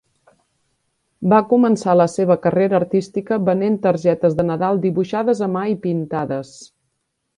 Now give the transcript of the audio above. Va començar la seva carrera artística venent targetes de Nadal dibuixades a mà i pintades.